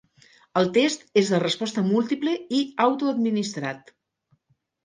El test és de resposta múltiple i autoadministrat.